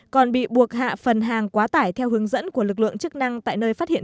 còn bị buộc hạ phần hàng quá tải theo hướng dẫn của lực lượng chức năng tại nơi phát hiện